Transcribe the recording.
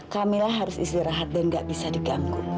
kamila harus istirahat dan nggak bisa diganggu